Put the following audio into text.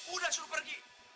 udah suruh pergi